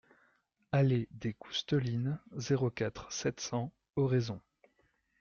Allée des Coustelines, zéro quatre, sept cents Oraison